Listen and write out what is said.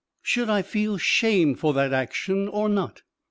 Should I feel shame for that action or not?